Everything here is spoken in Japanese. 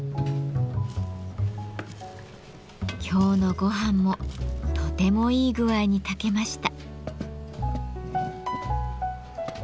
今日のごはんもとてもいい具合に炊けました。